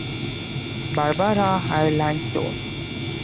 Barbara I. Langstone.